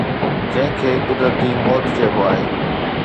جنهن کي قدرتي موت چئبو آهي